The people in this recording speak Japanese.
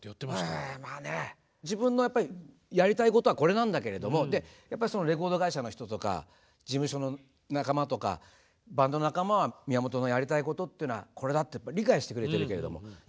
自分のやっぱりやりたいことはこれなんだけれどもやっぱりそのレコード会社の人とか事務所の仲間とかバンド仲間は宮本のやりたいことっていうのはこれだって理解してくれているけれどもじゃ